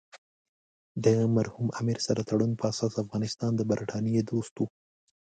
د مرحوم امیر سره تړون په اساس افغانستان د برټانیې دوست وو.